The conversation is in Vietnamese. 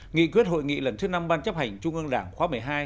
nghị quyết hội nghị lần thứ năm ban chấp hành trung ương đảng khóa một mươi hai